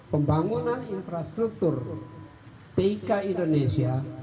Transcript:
pembangunan infrastruktur tik indonesia